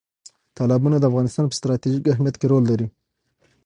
تالابونه د افغانستان په ستراتیژیک اهمیت کې رول لري.